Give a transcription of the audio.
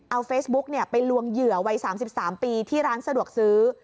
เอาเฟซบุ๊กไปลวงเหยื่อวัย๓๓ปีที่ร้านสะดวกซื้อ